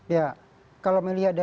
ya kalau melihat dari